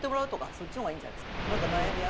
そっちの方がいいんじゃないですかね。